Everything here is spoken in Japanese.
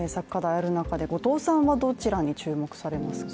ある中で、後藤さんはどちらに注目されますか？